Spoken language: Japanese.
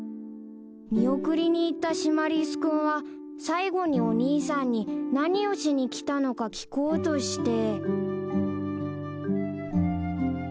［見送りに行ったシマリス君は最後にお兄さんに何をしにきたのか聞こうとして］